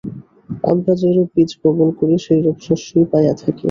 আমরা যেরূপ বীজ বপন করি, সেইরূপ শস্যই পাইয়া থাকি।